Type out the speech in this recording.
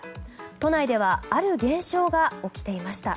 都内ではある現象が起きていました。